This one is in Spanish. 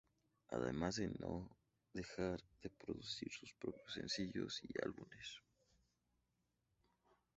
Además de no dejar de producir sus propios sencillos y álbumes.